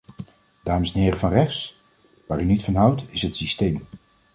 Dames en heren van rechts, waar u niet van houdt, is het systeem.